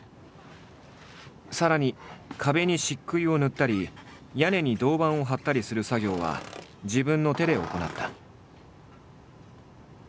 さらに壁に漆喰を塗ったり屋根に銅板を張ったりする作業は自分の手で行った。